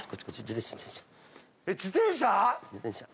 自転車。